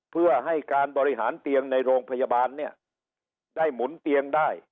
เพื่อให้การบริหารเตียงในโรงพยาบาลเนี่ยได้หมุนเตียงได้